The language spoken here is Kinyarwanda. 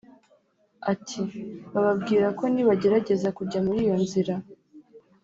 Ati “Bababwira ko nibagerageza kujya muri iyo nzira